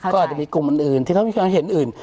ก็อาจจะมีกลุ่มอื่นที่เขามีความเห็นอื่น